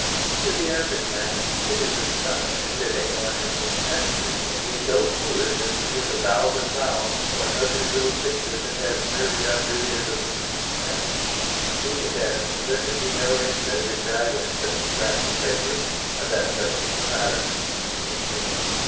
To the average man it is astonishing that anyone in his senses can be so foolish as to give £1,000 for an ugly little picture that has merely done duty as a postage stamp. He contends there can be no intrinsic value in such scraps of paper, and that settles the matter, in his opinion.